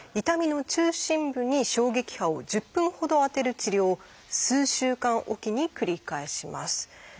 痛みの中心部に衝撃波を１０分ほど当てる治療を数週間おきに繰り返します。